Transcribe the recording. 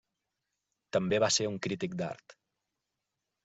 També va ser un crític d'art.